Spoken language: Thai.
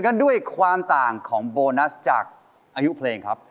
กันด้วยความต่างของโบนัสจากอายุเพลงครับ